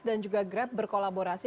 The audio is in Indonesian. dan juga grab berkolaborasi